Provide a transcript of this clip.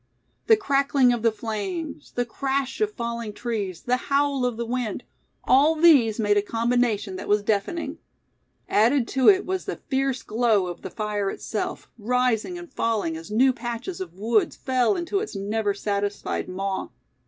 The crackling of the flames, the crash of falling trees, the howl of the wind, all these made a combination that was deafening. Added to it was the fierce glow of the fire itself, rising and falling as new patches of woods fell into its never satisfied maw.